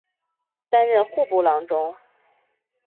担任户部郎中。